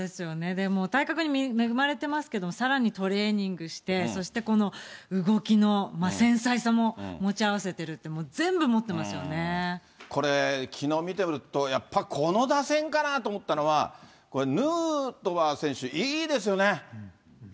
でも体格に恵まれてますけど、さらにトレーニングして、そしてこの動きの繊細さも持ち合わせてるって、もう全部持ってまこれ、きのう見てるとやっぱこの打線かなと思ったのは、いいですね。